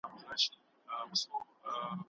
باطل تل د مکر او فریب لاره نیسي.